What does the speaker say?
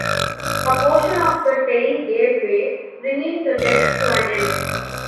A portion of the tail gave way, bringing the test to an end.